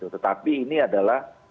tetapi ini adalah